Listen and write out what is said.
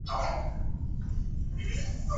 该流派主张新理想主义为文艺思想的主流。